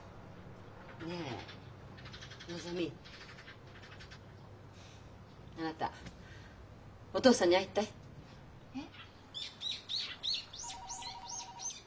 ねえのぞみあなたお父さんに会いたい？えっ？